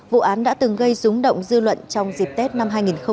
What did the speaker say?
vụ án đã từng gây rúng động dư luận trong dịp tết năm hai nghìn một mươi chín